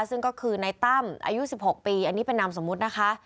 ซึ่งก็คือในตั้มอายุ๑๖ปีอันนี้เป็นนามสมมุตินะคะ